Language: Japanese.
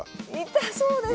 痛そうです！